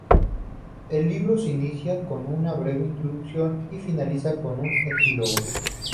El libro se inicia con una breve introducción y finaliza con un epílogo.